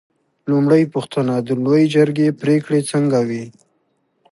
لومړۍ پوښتنه: د لویې جرګې پرېکړې څرنګه وې؟